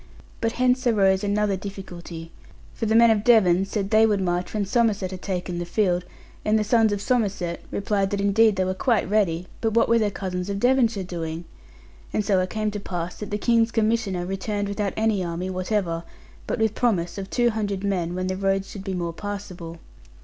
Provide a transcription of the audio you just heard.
But hence arose another difficulty; for the men of Devon said they would march when Somerset had taken the field; and the sons of Somerset replied that indeed they were quite ready, but what were their cousins of Devonshire doing? And so it came to pass that the King's Commissioner returned without any army whatever; but with promise of two hundred men when the roads should be more passable.